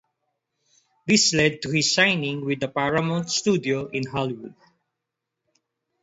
This led to his signing with the Paramount studio in Hollywood.